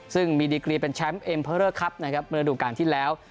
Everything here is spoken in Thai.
ซึ่งมีดีกรีเป็นแชมป์เอ็มเพอร์เลอร์ครับนะครับเมื่อดูการที่แล้ว